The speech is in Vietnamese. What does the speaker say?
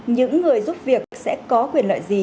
những người giúp việc sẽ có quyền lợi gì